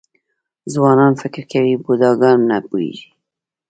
ځوانان فکر کوي بوډاګان نه پوهېږي .